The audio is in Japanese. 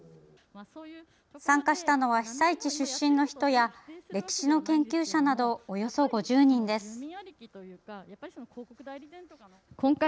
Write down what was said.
参加したのは被災地出身の人や歴史の研究者などおよそ５０人です。